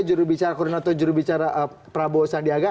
jurubicara kurnato jurubicara prabowo sadiaga